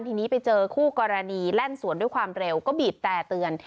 ทีนี้ไปเจอคู่กรณีแล่นสวนด้วยความเร็วก็บีบแต่เตือน